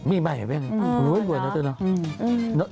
มีใหม่เหรอแม่งโหเวิร์ดนะเธอน่ะ